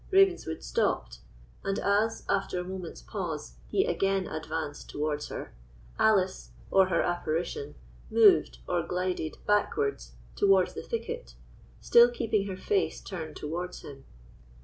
Ravenswood stopped; and as, after a moment's pause, he again advanced towards her, Alice, or her apparition, moved or glided backwards towards the thicket, still keeping her face turned towards him.